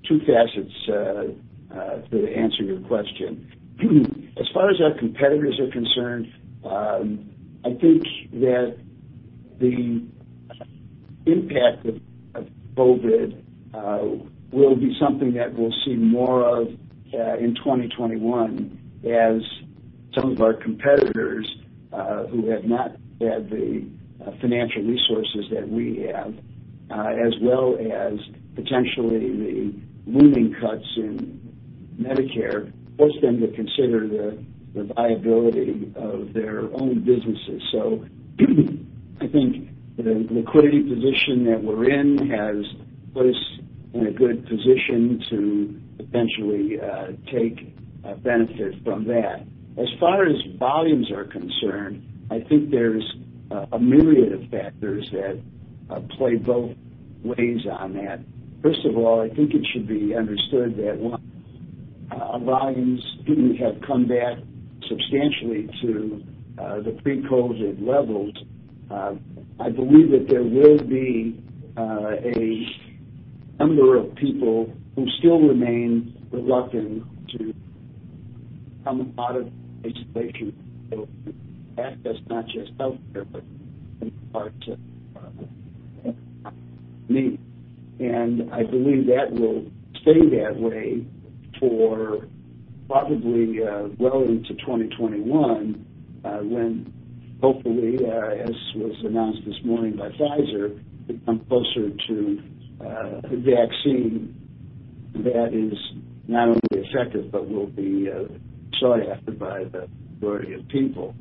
two facets to answer your question. As far as our competitors are concerned, I think that the impact of COVID will be something that we'll see more of in 2021, as some of our competitors, who have not had the financial resources that we have, as well as potentially the looming cuts in Medicare, force them to consider the viability of their own businesses. I think the liquidity position that we're in has put us in a good position to eventually take a benefit from that. As far as volumes are concerned, I think there's a myriad of factors that play both ways on that. First of all, I think it should be understood that while volumes have come back substantially to the pre-COVID levels, I believe that there will be a number of people who still remain reluctant to come out of isolation. That does not just healthcare, but the economy. I believe that will stay that way for probably well into 2021, when hopefully, as was announced this morning by Pfizer, we come closer to a vaccine that is not only effective but will be sought after by the majority of people.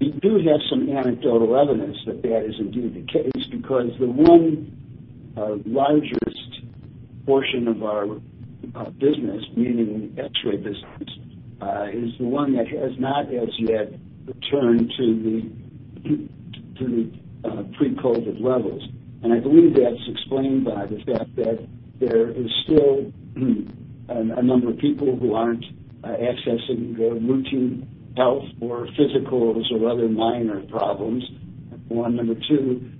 We do have some anecdotal evidence that that is indeed the case because the one largest portion of our business, meaning the X-ray business, is the one that has not as yet returned to the pre-COVID levels. I believe that's explained by the fact that there is still a number of people who aren't accessing their routine health, or physicals, or other minor problems. One. Number two,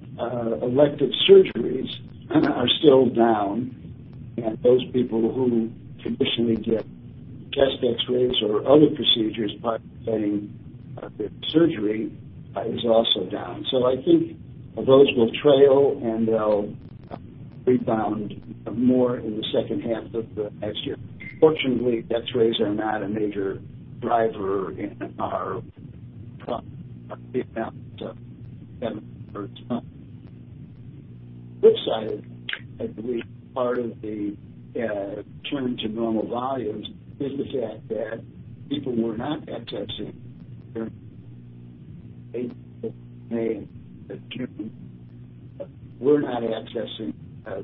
elective surgeries are still down, and those people who traditionally get chest X-rays or other procedures participating in the surgery is also down. I think those will trail and they'll rebound more in the second half of the next year. Fortunately, X-rays are not a major driver in our track, the amount of revenue or turn. Besides, I believe, part of the return to normal volumes is the fact that people were not accessing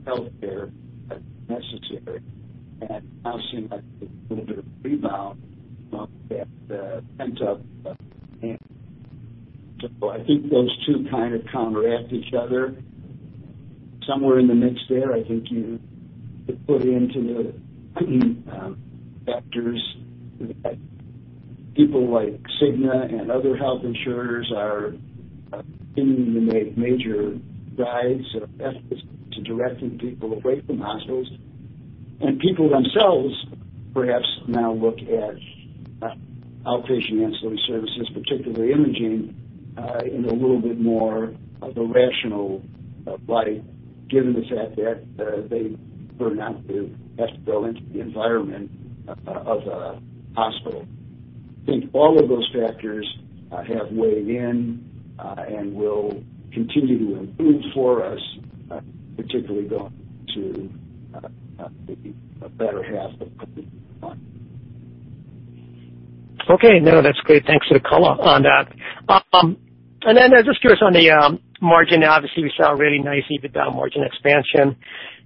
healthcare as necessary, and now seem like a little bit of a rebound of that pent-up demand. I think those two kinds of counteract each other. Somewhere in the mix there, I think you could put into the factors that people like Cigna and other health insurers are beginning to make major drives or efforts to directing people away from hospitals. People themselves perhaps now look at outpatient ancillary services, particularly imaging, in a little bit more of a rational light, given the fact that they prefer not to have to go into the environment of a hospital. I think all of those factors have weighed in, and will continue to improve for us, particularly going to the better half of the year one. Okay, no, that's great. Thanks for the color on that. I'm just curious on the margin. Obviously, we saw a really nice EBITDA margin expansion,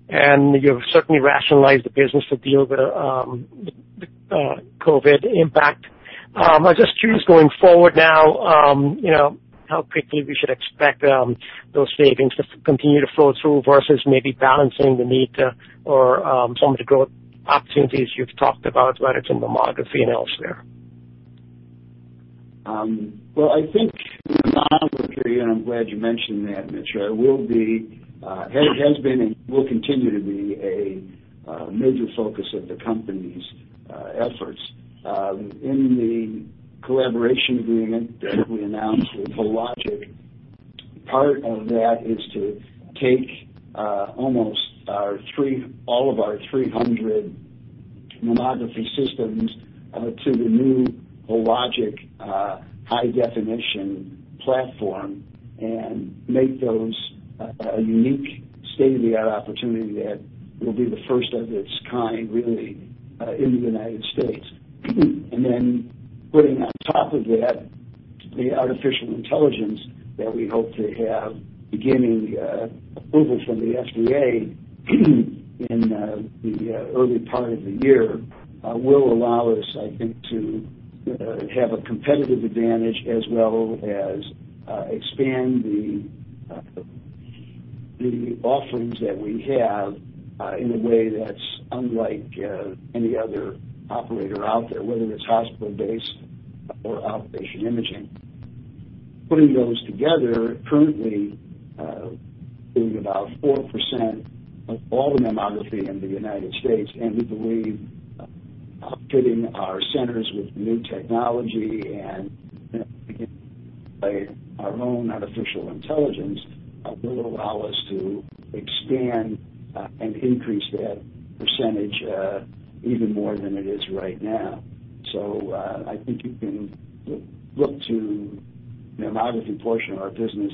and you've certainly rationalized the business to deal with the COVID impact. I'm just curious, going forward now, how quickly we should expect those savings to continue to flow through versus maybe balancing the need to, or some of the growth opportunities you've talked about, whether it's in mammography and elsewhere? I think mammography, and I'm glad you mentioned that, Mitra, has been and will continue to be a major focus of the company's efforts. In the collaboration agreement that we announced with Hologic, part of that is to take almost all of our 300 mammography systems to the new Hologic high-definition platform and make those a unique, state-of-the-art opportunity that will be the first of its kind, really, in the United States. Putting on top of that, the artificial intelligence that we hope to have beginning approval from the FDA in the early part of the year will allow us, I think, to have a competitive advantage as well as expand the offerings that we have in a way that's unlike any other operator out there, whether it's hospital-based or outpatient imaging. Putting those together currently is about 4% of all the mammography in the U.S. We believe outfitting our centers with new technology and by our own artificial intelligence will allow us to expand and increase that percentage even more than it is right now. I think you can look to the mammography portion of our business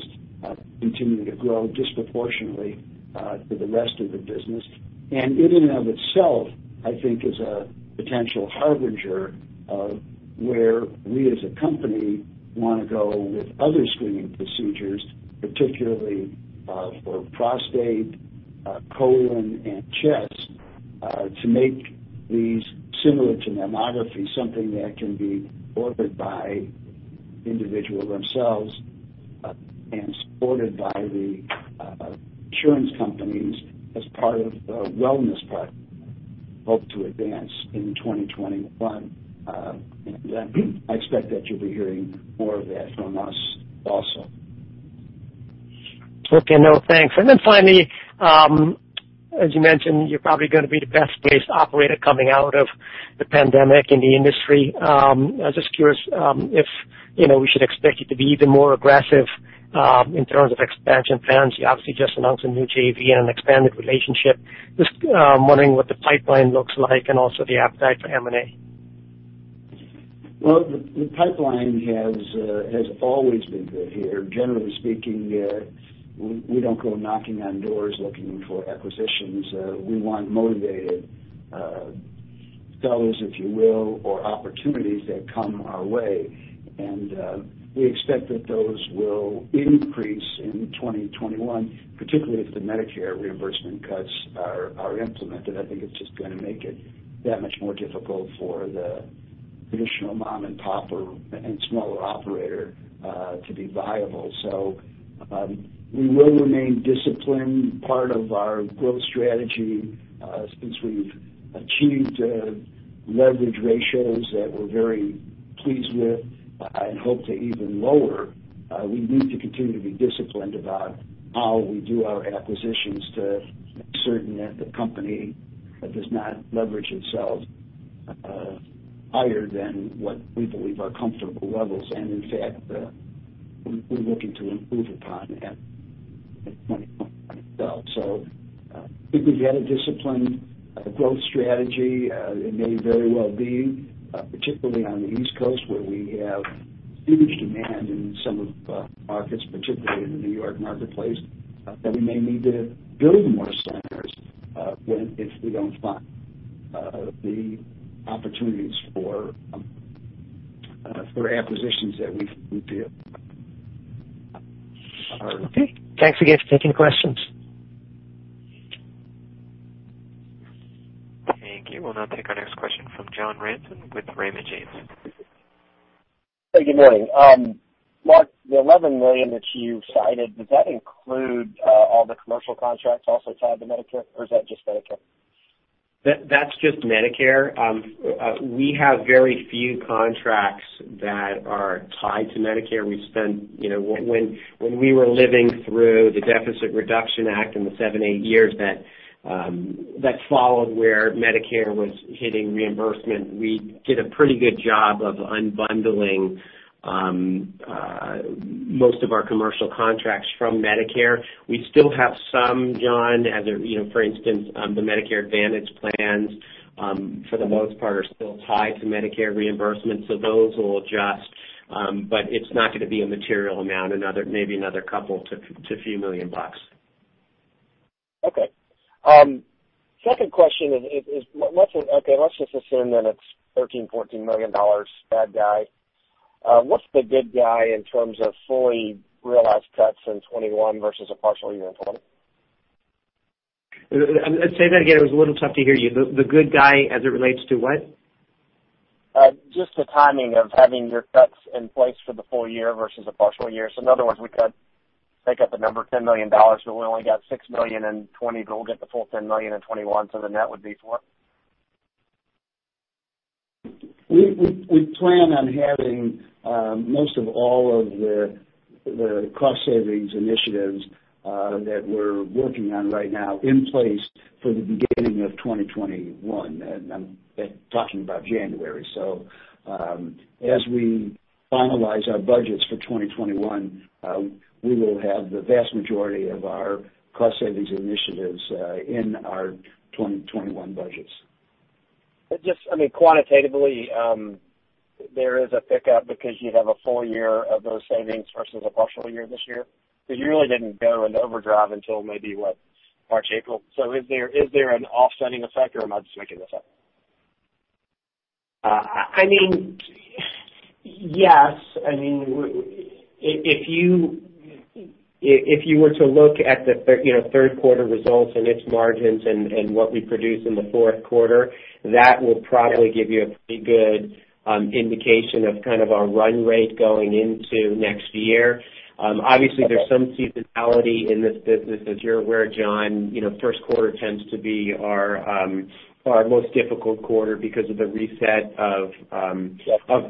continuing to grow disproportionately to the rest of the business. In and of itself, I think is a potential harbinger of where we as a company want to go with other screening procedures, particularly for prostate, colon, and chest, to make these similar to mammography, something that can be ordered by individuals themselves and supported by the insurance companies as part of a wellness part hope to advance in 2021. I expect that you'll be hearing more of that from us also. Okay. No, thanks. Finally, as you mentioned, you're probably going to be the best-placed operator coming out of the pandemic in the industry. I'm just curious if we should expect you to be even more aggressive in terms of expansion plans. You obviously just announced a new JV and an expanded relationship. Just wondering what the pipeline looks like and also the appetite for M&A. Well, the pipeline has always been good here. Generally speaking, we don't go knocking on doors looking for acquisitions. We want motivated sellers, if you will, or opportunities that come our way. We expect that those will increase in 2021, particularly if the Medicare reimbursement cuts are implemented. I think it's just going to make it that much more difficult for the traditional mom-and-pop and smaller operators to be viable. We will remain disciplined. Part of our growth strategy, since we've achieved leverage ratios that we're very pleased with and hope to even lower, we need to continue to be disciplined about how we do our acquisitions to make certain that the company does not leverage itself higher than what we believe are comfortable levels. In fact, we're looking to improve upon that in 2021 itself. I think we've had a disciplined growth strategy. It may very well be, particularly on the East Coast, where we have huge demand in some of the markets, particularly in the New York marketplace, that we may need to build more centers if we don't find the opportunities for acquisitions that we did. Okay. Thanks again for taking questions. Thank you. We'll now take our next question from John Ransom with Raymond James. Good morning. Mark, the $11 million that you cited, does that include all the commercial contracts also tied to Medicare, or is that just Medicare? That's just Medicare. We have very few contracts that are tied to Medicare. When we were living through the Deficit Reduction Act in the seven to eight years that followed, where Medicare was hitting reimbursement, we did a pretty good job of unbundling most of our commercial contracts from Medicare. We still have some, John. For instance, the Medicare Advantage plans, for the most part, are still tied to Medicare reimbursement. Those will adjust, but it's not going to be a material amount, maybe another couple to a few million bucks. Okay. Second question is, let's just assume that it's $13 million, $14 million bad guy. What's the good guy in terms of fully realized cuts in 2021 versus a partial year in 2020? Say that again. It was a little tough to hear you. The good guy, as it relates to what? Just the timing of having your cuts in place for the full year versus a partial year. In other words, we could make up the number, $10 million, but we only got $6 million in 2020, but we'll get the full $10 million in 2021, so the net would be what? We plan on having most of all of the cost savings initiatives that we're working on right now in place for the beginning of 2021. I'm talking about January. As we finalize our budgets for 2021, we will have the vast majority of our cost savings initiatives in our 2021 budgets. Just quantitatively, there is a pickup because you have a full year of those savings versus a partial year this year, because you really didn't go into overdrive until maybe, what, March, April. Is there an offsetting effect, or am I just making this up? Yes. If you were to look at the third quarter results and its margins and what we produce in the fourth quarter, that will probably give you a pretty good indication of kind of our run rate going into next year. Obviously, there's some seasonality in this business, as you're aware, John. First quarter tends to be our most difficult quarter because of the reset of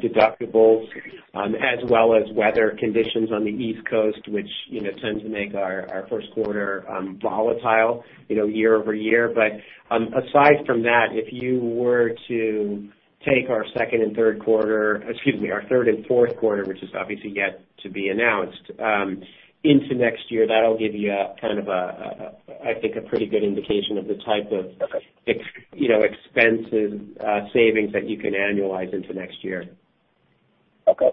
deductibles, as well as weather conditions on the East Coast, which tends to make our first quarter volatile year-over-year. Aside from that, if you were to take our second and third quarter, excuse me, our third and fourth quarter, which is obviously yet to be announced, into next year, that'll give you, I think, a pretty good indication of the type of expense savings that you can annualize into next year. Okay.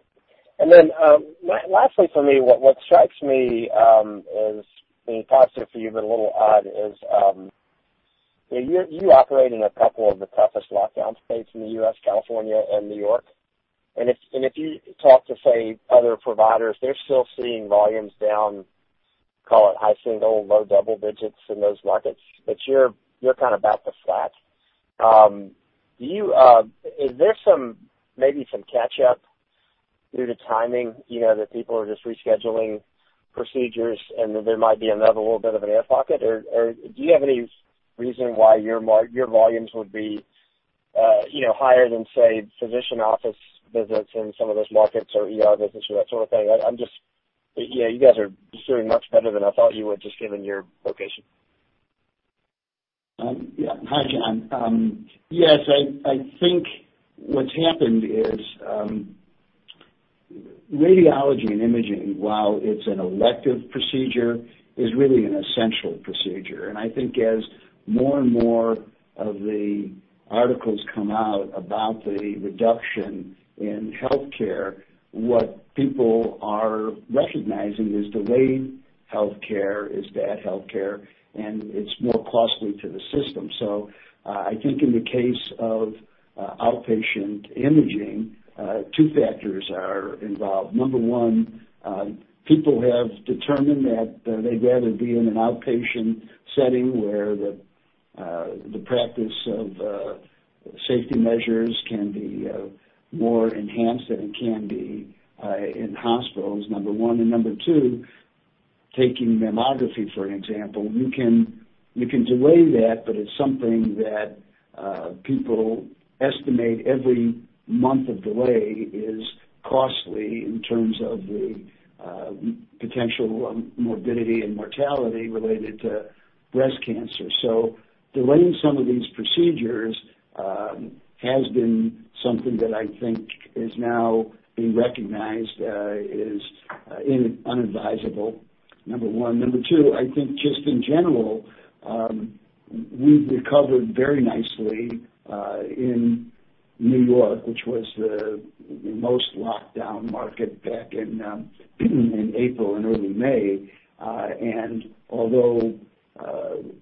Lastly, from me, what strikes me as possibly a little odd for you is, you operate in a couple of the toughest lockdown states in the U.S., California and New York. If you talk to, say, other providers, they're still seeing volumes down, call it high single, low double digits in those markets. You're kind of back to flat. Is there maybe some catch-up due to timing, that people are just rescheduling procedures, and there might be another little bit of an air pocket, or do you have any reason why your volumes would be higher than, say, physician office visits in some of those markets, or ER visits, or that sort of thing? You guys are doing much better than I thought you would, just given your location. Hi, John. Yes, I think what's happened is, radiology and imaging, while it's an elective procedure, is really an essential procedure. I think as more and more of the articles come out about the reduction in healthcare, what people are recognizing is delayed healthcare is bad healthcare, and it's more costly to the system. I think in the case of outpatient imaging, two factors are involved. Number one, people have determined that they'd rather be in an outpatient setting where the practice of safety measures can be more enhanced than it can be in hospitals, number one. Number two, taking mammography, for an example, you can delay that, but it's something that people estimate every month of delay is costly in terms of the potential morbidity and mortality related to breast cancer. Delaying some of these procedures has been something that I think is now being recognized as inadvisable, number one. Number two, I think just in general, we've recovered very nicely in New York, which was the most locked-down market back in April and early May. Although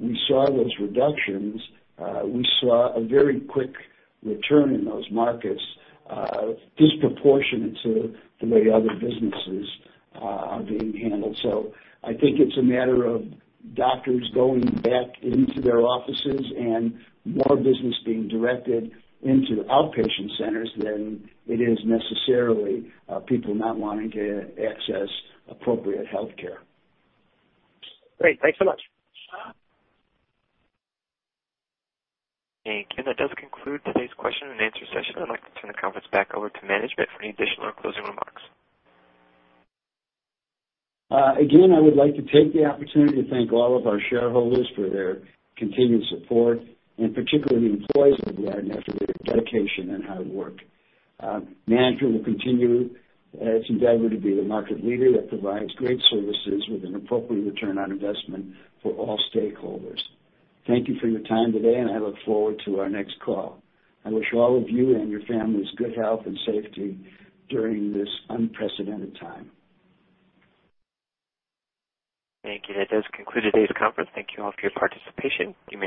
we saw those reductions, we saw a very quick return in those markets disproportionate to the way other businesses are being handled. I think it's a matter of doctors going back into their offices and more business being directed into outpatient centers than it is necessarily people not wanting to access appropriate healthcare. Great. Thanks so much. Thank you. That does conclude today's question-and-answer session. I'd like to turn the conference back over to management for any additional or closing remarks. I would like to take the opportunity to thank all of our shareholders for their continued support, and particularly the employees of RadNet for their dedication and hard work. Management will continue its endeavor to be the market leader that provides great services with an appropriate return on investment for all stakeholders. Thank you for your time today, and I look forward to our next call. I wish all of you and your families good health and safety during this unprecedented time. Thank you. That does conclude today's conference. Thank you all for your participation. You may